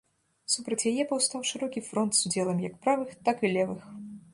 Супраць яе паўстаў шырокі фронт з удзелам як правых, так і левых.